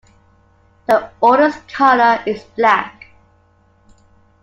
The Order's colour is black.